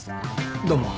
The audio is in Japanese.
どうも。